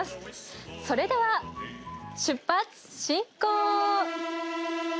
それでは、出発進行！